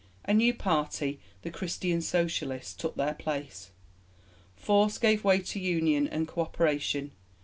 A new party, the Christian Socialists, took their place; force gave way to union and co operation.